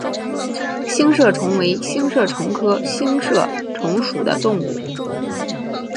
星射虫为星射虫科星射虫属的动物。